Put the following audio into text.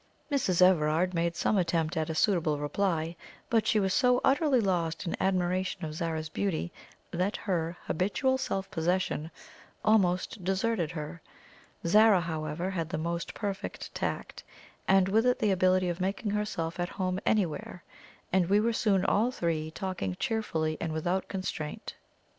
Mrs. Everard made some attempt at a suitable reply, but she was so utterly lost in admiration of Zara's beauty, that her habitual self possession almost deserted her. Zara, however, had the most perfect tact, and with it the ability of making herself at home anywhere, and we were soon all three talking cheerfully and without constraint.